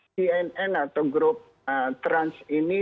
cnn atau grup trans ini